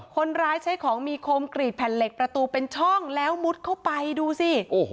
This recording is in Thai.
คนร้ายใช้ของมีคมกรีดแผ่นเหล็กประตูเป็นช่องแล้วมุดเข้าไปดูสิ